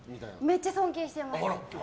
めっちゃ尊敬してます。